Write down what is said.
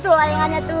itu tuh layangannya tuh